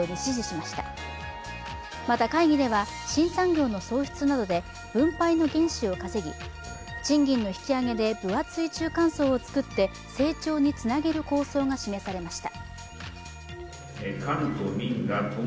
また、会議では新産業の創出などで分配の原資を稼ぎ賃金の引き上げで分厚い中間層を作って成長につなげる構想が示されました。